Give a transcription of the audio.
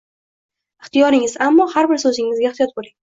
Ixtiyoringiz, ammo har bir so’zingizga ehtiyot bo’ling.